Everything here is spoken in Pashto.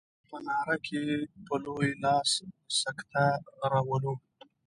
په ناره کې په لوی لاس سکته راولو.